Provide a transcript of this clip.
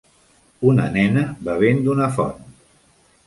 Una nena bevent d'una font.